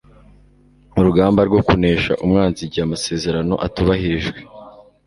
urugamba rwo kunesha umwanzi igihe amasezerano atubahirijwe